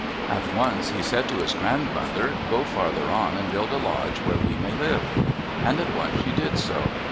At once he said to his grandmother, "Go farther on, and build a lodge where we may live." And at once she did so.